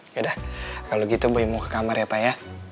yaudah kalau gitu boleh mau ke kamar ya pak ya